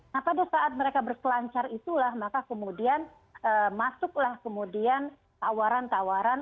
nah pada saat mereka berkelancar itulah maka kemudian masuklah kemudian tawaran tawaran